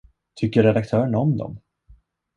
Tycker redaktörn om dem?